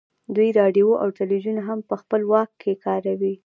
دوی راډیو او ټلویزیون هم په خپل واک کې کاروي